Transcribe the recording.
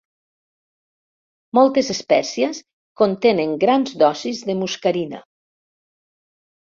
Moltes espècies contenen grans dosis de muscarina.